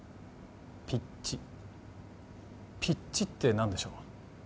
ピッチピッチって何でしょう？